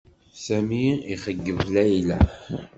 Sami ixeyyeb Layla.